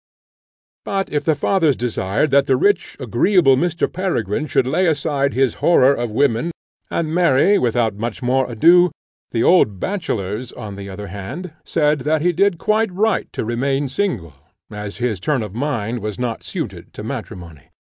But if the fathers desired that the rich agreeable Mr. Peregrine should lay aside his horror of women and marry without more ado, the old bachelors, on the other hand, said that he did quite right to remain single, as his turn of mind was not suited to matrimony.